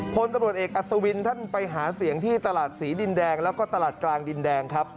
พลตำรวจเอกอัศวินท่านไปหาเสียงที่ตลาดศรีดินแดงแล้วก็ตลาดกลางดินแดงครับ